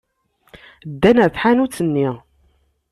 Ddan ɣer tḥanut-nni.